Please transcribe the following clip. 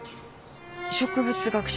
植物学者？